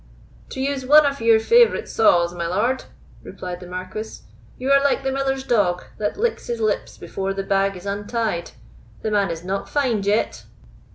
"To use one of your favourite saws, my lord," replied the Marquis, "you are like the miller's dog, that licks his lips before the bag is untied: the man is not fined yet."